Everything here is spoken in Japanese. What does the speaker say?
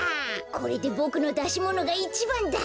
これでボクのだしものがいちばんだ！